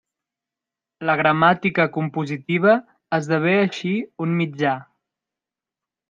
La gramàtica compositiva esdevé així un mitjà.